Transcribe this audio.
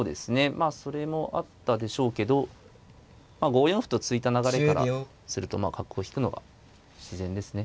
まあそれもあったでしょうけど５四歩と突いた流れからすると角を引くのが自然ですね。